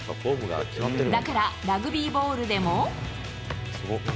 だから、ラグビーボールでも。